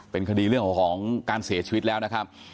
เป็นคดีเรื่องของการเสียชีวิตแล้วนะครับ